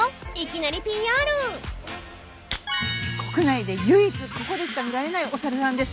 国内で唯一ここでしか見られないお猿さんです。